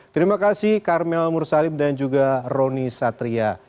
terima kasih karmel mursalib dan juga roni satria